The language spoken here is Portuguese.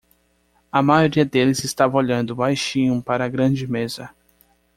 A maioria deles estava olhando baixinho para a grande mesa.